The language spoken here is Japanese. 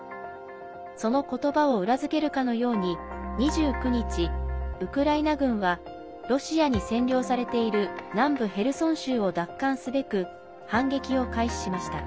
その言葉を裏付けるかのように２９日、ウクライナ軍はロシアに占領されている南部へルソン州を奪還すべく反撃を開始しました。